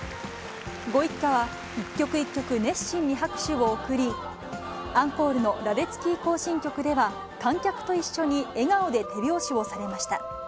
ご一家は一曲一曲、熱心に拍手を送り、アンコールのラデツキー行進曲では、観客と一緒に笑顔で手拍子をされました。